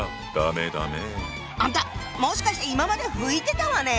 あんたもしかして今まで拭いてたわね